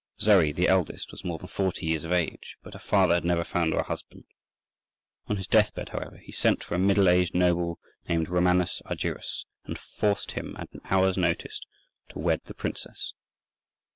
Zoe, the eldest, was more than forty years of age, but her father had never found her a husband. On his death bed, however, he sent for a middle aged noble named Romanus Argyrus, and forced him, at an hour's notice, to wed the princess.